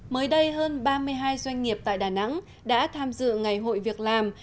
mới đây hơn ba mươi hai doanh nghiệp tại đà nẵng đã tham dự ngày hội việc làm